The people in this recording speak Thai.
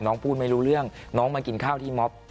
พูดไม่รู้เรื่องน้องมากินข้าวที่ม็อบ